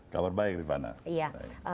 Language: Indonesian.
kabar baik rifana